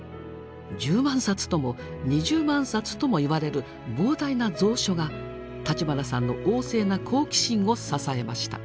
１０万冊とも２０万冊ともいわれる膨大な蔵書が立花さんの旺盛な好奇心を支えました。